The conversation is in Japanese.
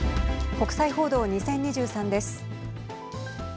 国際報道２０２３です。